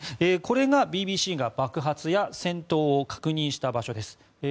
これがＢＢＣが爆発や戦闘を確認した場所です。